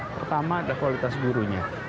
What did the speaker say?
pertama adalah kualitas gurunya